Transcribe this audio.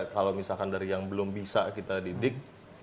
kalau misalkan dari yang belum bisa kita didik